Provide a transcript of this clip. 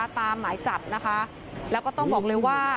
ตามหมายจับนะคะแล้วก็ต้องบอกเลยว่า